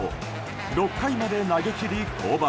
６回まで投げ切り降板。